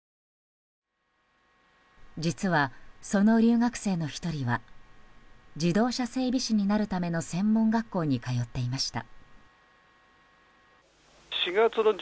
実は、その留学生の１人は自動車整備士になるための専門学校に通っていました。